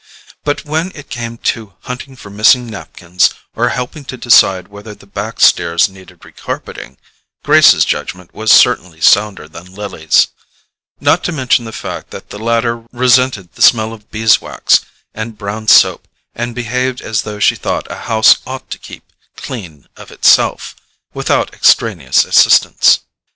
But when it came to hunting for missing napkins, or helping to decide whether the backstairs needed re carpeting, Grace's judgment was certainly sounder than Lily's: not to mention the fact that the latter resented the smell of beeswax and brown soap, and behaved as though she thought a house ought to keep clean of itself, without extraneous assistance.